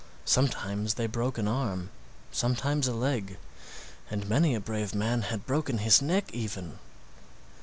Sometimes they broke an arm, sometimes a leg, and many a brave man had broken his neck even.